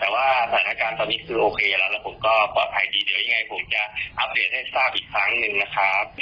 แต่ว่าสถานการณ์ตอนนี้คือโอเคแล้วแล้วผมก็ปลอดภัยดีเดี๋ยวยังไงผมจะอัปเดตให้ทราบอีกครั้งหนึ่งนะครับ